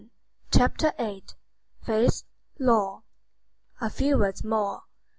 CHAPTER VIII—FAITH, LAW A few words more.